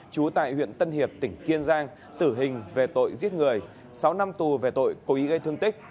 trú tại huyện tân hiệp tỉnh kiên giang tử hình về tội giết người sáu năm tù về tội cố ý gây thương tích